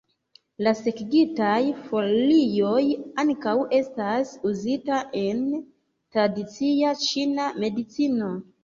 La sekigitaj folioj ankaŭ estas uzitaj en tradicia ĉina medicino.